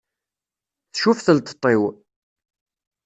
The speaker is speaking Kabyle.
Tcuf telteṭ-iw.